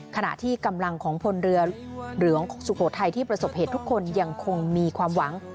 ขณะที่กำลังของพลเรือหลวงสุโขทัยที่ประสบเหตุทุกคนยังคงมีความหวัง